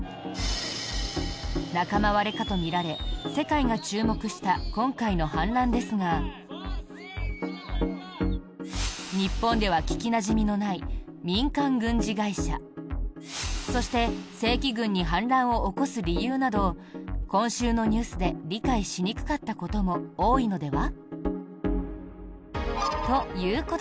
仲間割れかとみられ世界が注目した今回の反乱ですが日本では聞きなじみのない民間軍事会社そして正規軍に反乱を起こす理由など今週のニュースで理解しにくかったことも多いのでは？